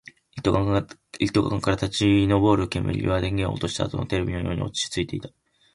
一斗缶から立ち上る煙は、電源を落としたあとのテレビのように落ち着いていた